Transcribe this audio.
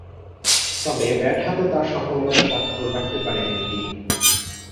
তবে, ব্যাট হাতে আর সফলতার স্বাক্ষর রাখতে পারেননি তিনি।